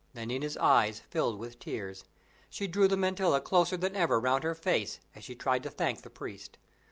Nanina's eyes filled with tears. She drew the mantilla closer than ever round her face, as she tried to thank the priest.